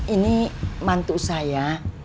ini mantu saya